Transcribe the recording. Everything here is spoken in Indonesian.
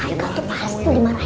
haikal tuh pasti dimarahin